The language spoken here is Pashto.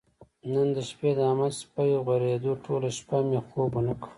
نن د شپې د احمد سپی غورېدو ټوله شپه یې مې خوب ونه کړ.